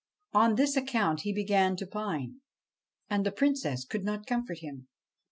On this account he began to pine, and the Princess could not comfort him.